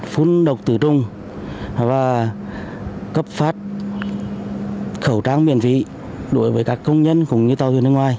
phun độc tử trung và cấp phát khẩu trang miễn phí đối với các công nhân cũng như tàu thuyền nước ngoài